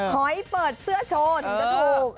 หอยเปิดเสื้อโชว์ถึงจะถูก